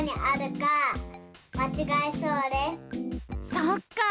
そっか。